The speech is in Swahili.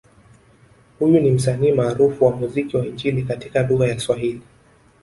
Huyu ni msanii maarufu wa muziki wa Injili katika lugha ya swahili